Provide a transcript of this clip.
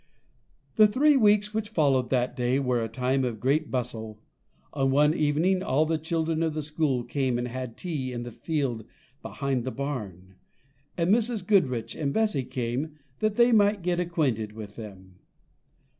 The three weeks which followed that day were a time of great bustle. On one evening all the children of the school came and had tea in the field behind the barn; and Mrs. Goodriche and Bessy came, that they might get acquainted with them.